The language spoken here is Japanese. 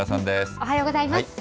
おはようございます。